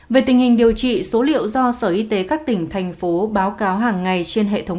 về tình hình điều trị số liệu do sở y tế các tỉnh thành phố báo cáo hàng ngày trên hệ thống